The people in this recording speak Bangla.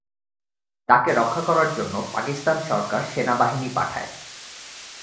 তাঁকে রক্ষা করার জন্যে পাকিস্তান সরকার সেনাবাহিনী পাঠায়।